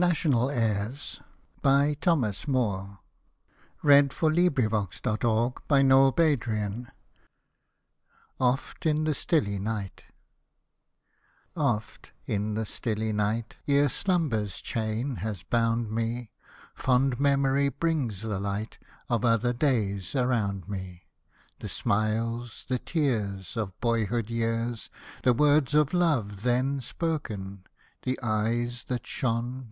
Hosted by Google NATIONAL AIRS OFT, IN THE STILLY NIGHT Oft, in the stilly night, Ere Slumber's chain has bound me, Fond Memory brings the light Of other days around me ; The smiles, the tears, Of boyhood's years, The words of love then spoken ; The eyes that shone.